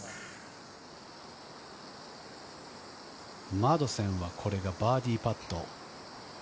マドセンはこれがバーディーパット。